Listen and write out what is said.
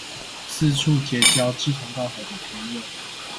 四處結交志同道合的朋友